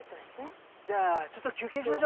じゃあちょっと休憩しましょう。